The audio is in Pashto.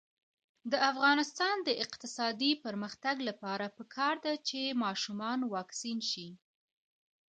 د افغانستان د اقتصادي پرمختګ لپاره پکار ده چې ماشومان واکسین شي.